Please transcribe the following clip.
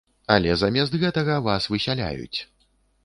Але замест гэтага вас высяляюць.